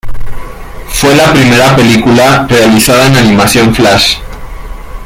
Fue la primera película realizada en animación flash.